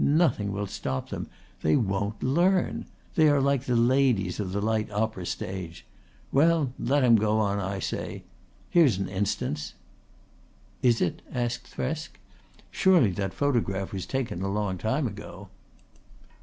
Nothing will stop them. They won't learn. They are like the ladies of the light opera stage. Well, let 'em go on I say. Here's an instance." "Is it?" asked Thresk. "Surely that photograph was taken a long time ago."